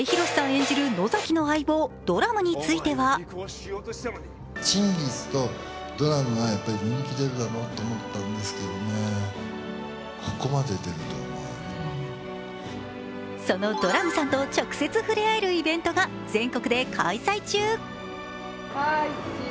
演じる野崎の相棒・ドラムについてはそのドラムさんと直接ふれあえるイベントが全国で開催中。